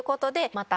また！